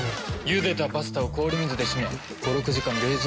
ゆでたパスタを氷水で締め５６時間冷蔵庫で寝かせる。